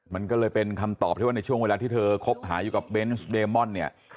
มันก็เลยเป็นคำตอบที่ว่าในช่วงเวลาที่เธอคบหาอยู่กับเบนส์เดมอนเนี่ย